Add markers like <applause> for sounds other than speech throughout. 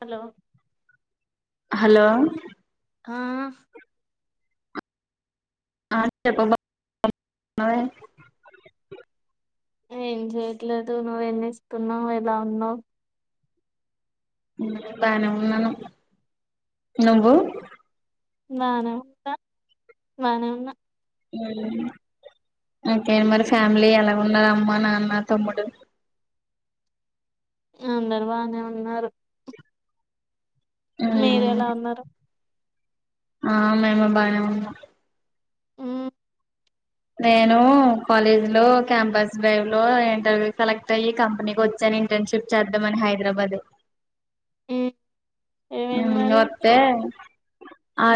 Hello hello ఆ ఆ చెప్పమ్మా <inaudible> ఏం చెయట్లేదు నువ్వు ఏం చేస్తున్నావ్ ఎలా ఉన్నావు బానే ఉన్నాను నువ్వు బానే ఉన్నా బానే ఉన్నా మ్మ్ అంతే మరి ఫ్యామిలీ ఎలా ఉన్నారు అమ్మ నాన్న తమ్ముడు అందరు బానే ఉన్నారు మీరు ఉమ్, ఎలా ఉన్నారు ఆ మేము బానే ఉన్నాం మ్మ్ నేను కాలేజ్ లో క్యాంపస్ డ్రైవ్ లో ఇంటర్వ్యూ సెలెక్ట్ అయ్యి కంపెనీకి వచ్చా ఇంటర్న్షిప్ చేద్దామని హైదరాబాదు మ్మ్ ఉ ఏమైంది మరి వత్తే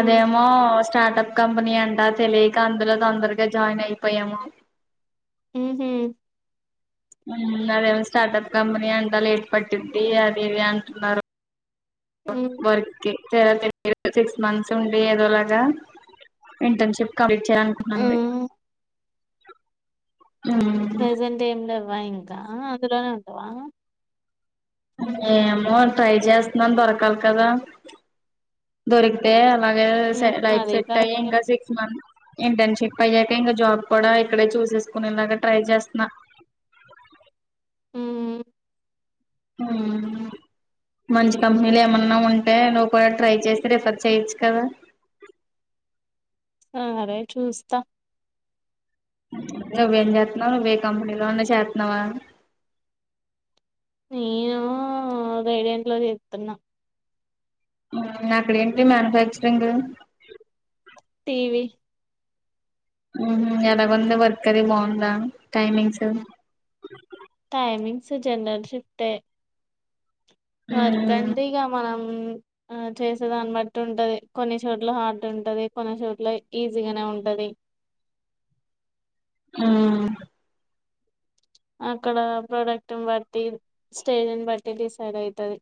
మ్మ్ స్టార్టప్ కంపెనీ అంట అక్చుఅల్లీ, <unintelligible> జాయిన్ అయిపోయాము. ఉ హు ఊ అదేమో స్టార్టప్ కంపనీ అంట లేట్ పట్టిద్ది అది ఇది అంటున్నారు. వ మ్మ్ వర్కే. <inaudible> సిక్స్ మంత్స్ ఉండి ఏదోలాగా ఇంటర్న్షిప్ కం <inaudible> మ్మ్ ప్రజెంట్ ఏం లేదు. వ ఇంకా అందులోనే ఉంటవా? ఏమో ట్రై చేస్తన్నాను, దొరకాలి కదా దొరికితే అల్ బగా సె మ్మ్ లైఫ్ అది సెట్ అయ్యే కరెక్టే ఇంకా సిక్స్ మంత్ ఇంటర్న్షిప్ అయ్యాక ఇంగ జాబ్ కూడా ఇక్కడే చూసేసుకునేలాగా ట్రై చేస్తనా. ఉ ఊ మంచి కంపెనీలు ఏమన్నా ఉం టే నువ్వు కూడా ట్రై చేస్తే రిఫర్ చేయొచ్చు కదా! ఆ అదే చూస్తా. నువ్వేం చేత్నవ్? నువ్వే కంపెనీలో అన్న చేత్నవా? నేనూ గైడేంట్లో చెత్తున్నా. మ్ అక్కడెంటి మ్యానుఫ్యాక్చరింగ్? టీ వి ఉమ్ హు, ఎలగుంది వర్క్ అది బాగుందా? టైమింగ్స్? టైమింగ్స్ జనరల్ షిఫ్టే. జాబ్ వర్క్ అంటె ఇగ మనం ఆ చేసే దాన్ బట్టి ఉంటది, కొన్ని చోట్ల హార్డ్ ఉంటది, కొన్ని చోట్ల ఈజీగానే ఉంటది. ఉమ్ అక్కడ ప్రొడక్ట్న్, బట్టి స్టేజ్ ని బట్టి డిసైడ్ అయితది.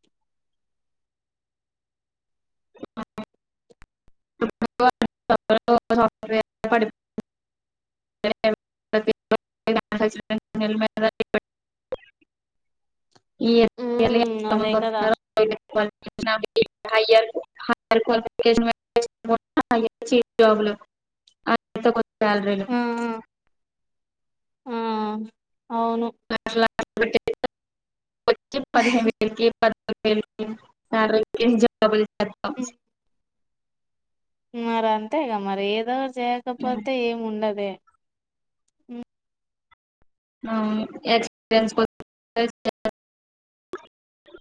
<unintelligible> ఉమ్ అదే <unintelligible> కదా <unintelligible> అ <unintelligible> జాబ్లు <unintelligible> శాలరీలు ఆ ఆ అవును. <unintelligible> వచ్చె పదిహేన్ వేల జీ <unintelligible> <unintelligible> ఉమ్, మరి అంతేగా మరి ఏదో చేయకపోతే ఏమి ఉండదు అదే మ్మ్ అవును <unintelligible>